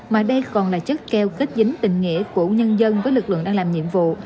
mà đây còn là chất keo kết dính tình nghĩa của nhân dân với lực lượng đang làm nhiệm vụ